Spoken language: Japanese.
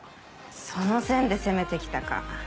その線で攻めて来たか。